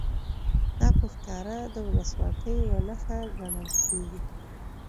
دا په ښکاره د ولسواکۍ یوه نښه ګڼل کېږي.